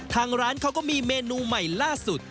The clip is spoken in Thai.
ทางร้านเขาก็มีเมนูใหม่ล่าสุด